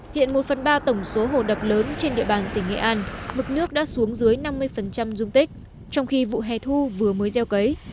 hiện một phần ba tổng số hồ đập lớn trên địa bàn tỉnh nghệ an mực nước đã xuống dưới năm mươi dung tích trong khi vụ hè thu vừa mới gieo cấy